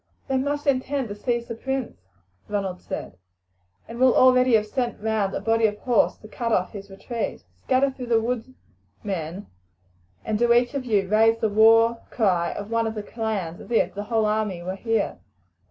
"They must intend to seize the prince," Ronald said, "and will already have sent round a body of horse to cut off his retreat. Scatter through the wood, men, and do each of you raise the war cry of one of the clans as if the whole army were here.